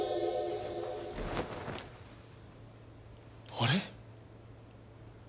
あれ？